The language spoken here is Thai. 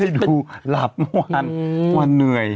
ไม่ได้ดูหลับวันเหนื่อย